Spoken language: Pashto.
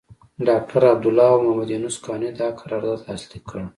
ډاکټر عبدالله او محمد یونس قانوني دا قرارداد لاسليک کړ.